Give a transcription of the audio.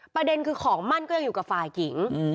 ประเด็นคือของมั่นก็ยังอยู่กับฝ่ายหญิง